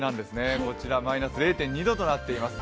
こちらマイナス０．２度となっています。